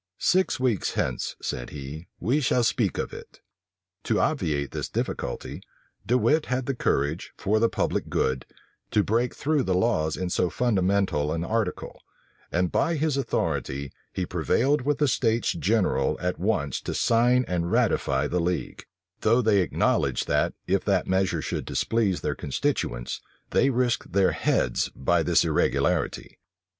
"Six weeks hence," said he, "we shall speak to it." To obviate this difficulty, De Wit had the courage, for the public good, to break through the laws in so fundamental an article; and by his authority, he prevailed with the states general at once to sign and ratify the league: though they acknowledged that, if that measure should displease their constituents, they risked their heads by this irregularity.